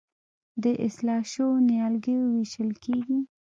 د اصلاح شویو نیالګیو ویشل کیږي.